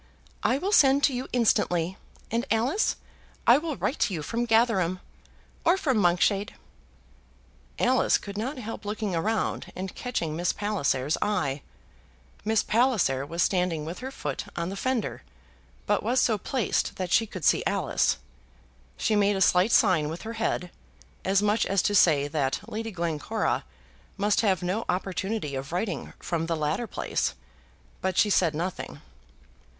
"I will send to you instantly; and, Alice, I will write to you from Gatherum, or from Monkshade." Alice could not help looking around and catching Miss Palliser's eye. Miss Palliser was standing with her foot on the fender, but was so placed that she could see Alice. She made a slight sign with her head, as much as to say that Lady Glencora must have no opportunity of writing from the latter place; but she said nothing.